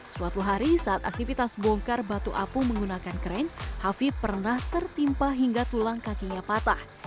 suatu hari saat aktivitas bongkar batu apung menggunakan kren hafib pernah tertimpa hingga tulang kakinya patah